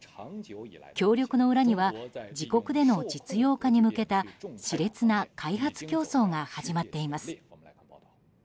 協力の裏には自国での実用化に向けた熾烈な開発競争が始まっています。